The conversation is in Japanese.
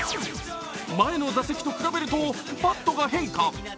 前の打席と比べるとバットが変化。